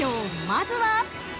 まずは］